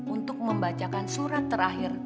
untuk membacakan surat terakhir